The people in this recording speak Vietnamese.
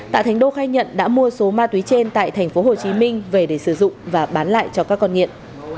tạ thánh đô khai nhận đã mua số ma túy trên tại tp hcm về để sử dụng và bán lại cho các con nghiện